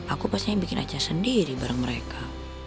aku pastinya bikin acara sendiri bareng mereka